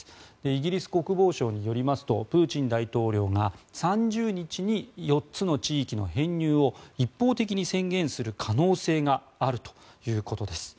イギリス国防省によりますとプーチン大統領が３０日に４つの地域の編入を一方的に宣言する可能性があるということです。